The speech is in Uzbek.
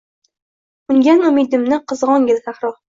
Ungan umidimni qizg‘ongil, sahro